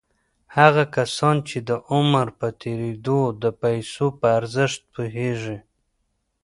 هغه کسان چې د عمر په تېرېدو د پيسو په ارزښت پوهېږي.